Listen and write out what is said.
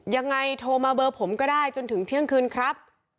ยังไงโทรมาเบอร์ผมก็ได้จนถึงเที่ยงคืนครับ